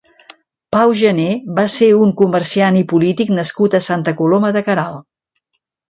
Pau Janer va ser un comerciant i polític nascut a Santa Coloma de Queralt.